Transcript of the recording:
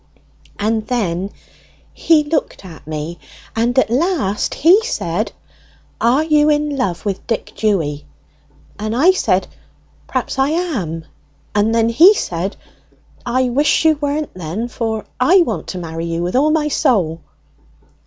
"And then he looked at me, and at last he said, 'Are you in love with Dick Dewy?' And I said, 'Perhaps I am!' and then he said, 'I wish you weren't then, for I want to marry you, with all my soul.'"